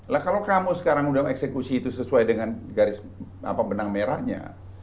lah kalau kamu sekarang udah eksekusi itu sesuai dengan garis benang merahnya